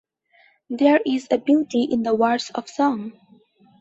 There is a beauty in the words of song.